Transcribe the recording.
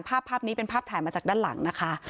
ภาพนี้เป็นภาพถ่ายมาจากด้านหลังนะคะ